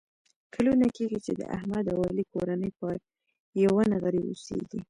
کلونه کېږي چې د احمد او علي کورنۍ په یوه نغري اوسېږي.